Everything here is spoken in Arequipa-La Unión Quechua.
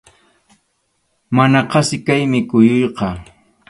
Mana qasi kaymi kuyuyqa.